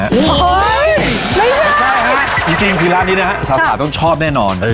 เฮ้ยไม่ใช่ไม่ใช่จริงจริงคือร้านนี้นะฮะสาธารณ์ต้องชอบแน่นอน